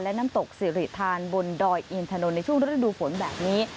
และน้ำตกสิริธานบนดอยอินถนนในช่วงฤดูฝนแบบนี้